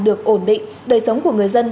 được ổn định đời sống của người dân